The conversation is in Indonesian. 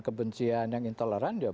kebencian yang intoleran